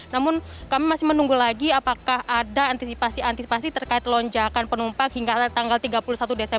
namun kami masih menunggu lagi apakah ada antisipasi antisipasi tertentu